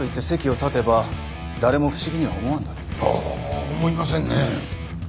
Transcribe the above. ああ思いませんね。